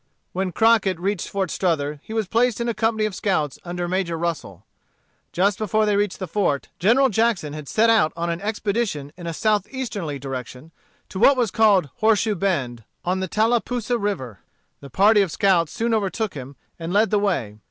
When Crockett reached Fort Strother he was placed in a company of scouts under Major Russel. Just before they reached the fort, General Jackson had set out on an expedition in a southeasterly direction, to what was called Horseshoe Bend, on the Tallapoosa River. The party of scouts soon overtook him and led the way.